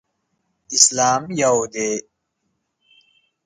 اسلام یو دی.